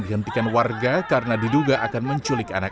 dihentikan warga karena diduga akan menculik anak